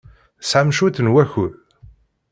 Tesɛam cwiṭ n wakud?